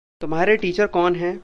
तुम्हारे टीचर कौन हैं?